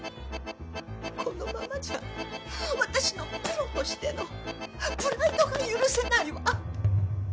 このままじゃ私のプロとしてのプライドが許せないわ。